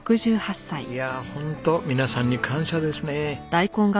いやほんと皆さんに感謝ですね。